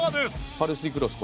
パルスイクロス